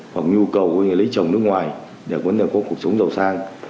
hoặc nhu cầu của người lấy chồng nước ngoài để có cuộc sống giàu sang